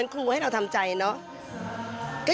ครูปุ้มสัตว์สินค้า